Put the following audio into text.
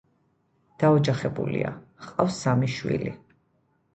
დაოჯახებულია, ჰყავს სამი შვილი.